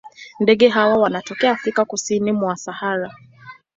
Ndege hawa wanatokea Afrika kusini mwa Sahara.